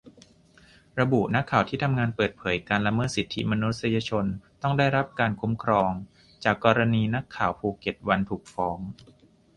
ระบุ นักข่าวที่ทำงานเปิดเผยการละเมิดสิทธิมนุษยชนต้องได้รับการคุ้มครอง จากกรณีนักข่าวภูเก็ตวันถูกฟ้อง